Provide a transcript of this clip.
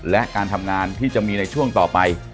และการทำงานที่จะมีในช่วงต่อไป